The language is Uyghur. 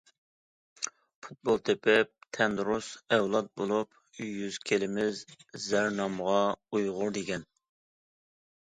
پۇتبول تېپىپ، تەن دۇرۇس ئەۋلاد بولۇپ، يۈز كېلىمىز زەر نامغا ئۇيغۇر دېگەن!